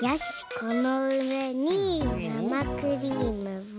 このうえになまクリームは。